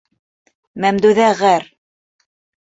Мәмдүҙә ғәр.